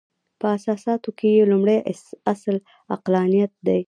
په اساساتو کې یې لومړۍ اصل عقلانیت دی.